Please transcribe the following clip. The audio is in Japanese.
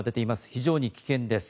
非常に危険です。